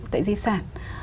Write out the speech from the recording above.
tại di sản